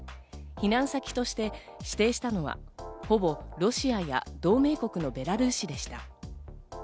避難先として指定したのはほぼロシアや同盟国のベラルーシでした。